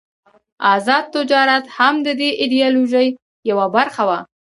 آزاد تجارت هم د دې ایډیالوژۍ یوه برخه وه.